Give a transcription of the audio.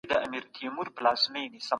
په هېواد کي د جګړي ناوړه اغېزي لا هم سته.